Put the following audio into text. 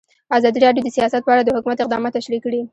ازادي راډیو د سیاست په اړه د حکومت اقدامات تشریح کړي.